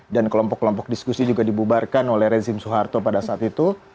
dan kelompok kelompok diskusi juga dibubarkan oleh rezim soeharto pada saat itu